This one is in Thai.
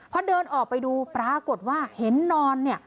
พอเดินออกไปดูปรากฏว่าเห็นนอนเนี่ย